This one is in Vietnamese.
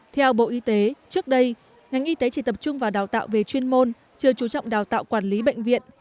theo bộ y tế trước đây ngành y tế chỉ tập trung vào đào tạo về chuyên môn chưa chú trọng đào tạo quản lý bệnh viện